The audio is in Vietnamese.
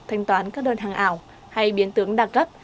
thành toán các đơn hàng ảo hay biến tướng đặc gấp